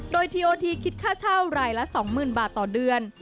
โดยทีโอทีคิดค่าเช่ารายละ๒๐๐๐บาทต่อเดือน